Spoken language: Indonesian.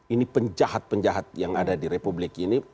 ini penjahat penjahat yang ada di republik ini